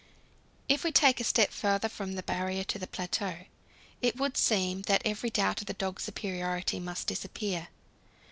If we take a step farther, from the Barrier to the plateau, it would seem that every doubt of the dog's superiority must disappear.